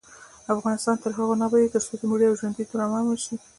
افغانستان تر هغو نه ابادیږي، ترڅو د مړي او ژوندي درناوی ونشي.